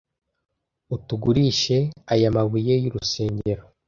utugurishe aya mabuye y'urusengero